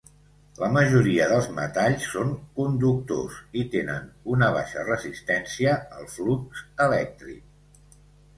La majoria dels metalls són conductors i tenen una baixa resistència al flux elèctric.